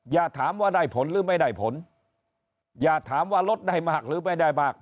อย่าถามว่าได้ผลหรือไม่ได้ผลอย่าถามว่าลดได้มากหรือไม่ได้มาก